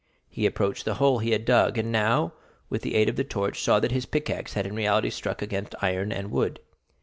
He approached the hole he had dug, and now, with the aid of the torch, saw that his pickaxe had in reality struck against iron and wood.